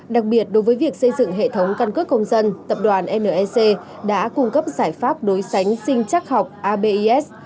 đặc biệt đối với việc xây dựng hệ thống căn cước công dân tập đoàn nec đã cung cấp giải pháp đối sánh sinh chắc học abis